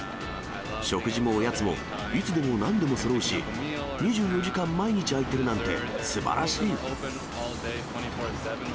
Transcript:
食事もおやつも、いつでもなんでもそろうし、２４時間毎日開いてるなんて、すばらしい。